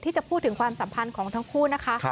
ที่จะพูดถึงความสัมพันธ์ของทั้งคู่นะคะ